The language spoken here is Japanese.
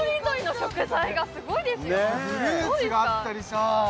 フルーツがあったりさ